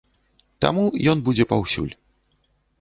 Таму ён будзе паўсюль.